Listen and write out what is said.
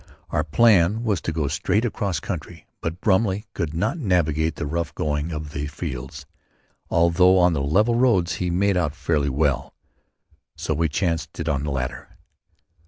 Our plan was to go straight across country, but Brumley could not navigate the rough going of the fields; although on the level roads he made out fairly well. So we chanced it on the latter.